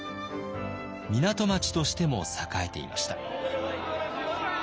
港町としても栄えていました。